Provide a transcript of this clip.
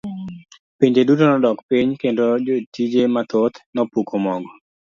Pinje yuto margi nodok piny kendo jotije mathoth nopuko mogo.